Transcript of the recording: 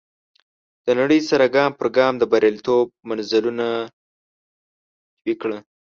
د نړۍ سره ګام پر ګام د برياليتوب منزلونه طی کړه.